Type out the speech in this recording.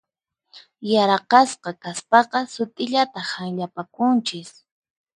Yaraqasqa kaspaqa sut'illata hanllapakunchis.